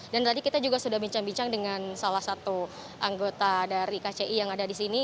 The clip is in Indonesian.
dan tadi kita juga sudah bincang bincang dengan salah satu anggota dari kci yang ada di sini